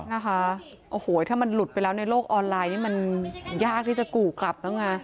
นะคะโอ้โหถ้ามันหลุดไปแล้วในโลกออนไลน์นี่มันยากที่จะกู่กลับแล้วไง